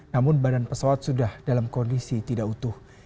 namun badan pesawat sudah dalam kondisi tidak utuh